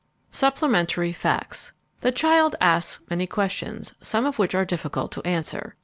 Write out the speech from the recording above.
SUPPLEMENTARY FACTS The child asks many questions, some of which are difficult to answer.